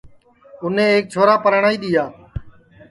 اُنے ایک چھورا پرنائی دؔیا ہے